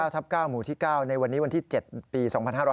๙ทับ๙หมู่ที่๙ในวันนี้วันที่๗ปี๒๕๕๙